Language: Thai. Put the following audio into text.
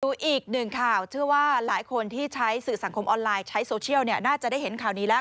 อีกหนึ่งข่าวเชื่อว่าหลายคนที่ใช้สื่อสังคมออนไลน์ใช้โซเชียลเนี่ยน่าจะได้เห็นข่าวนี้แล้ว